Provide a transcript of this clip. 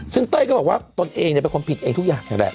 ซึ่งเต้ยก็บอกว่าตนเองเป็นคนผิดเองทุกอย่างนั่นแหละ